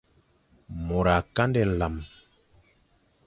Mor a kandé nlan.